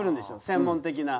専門的な。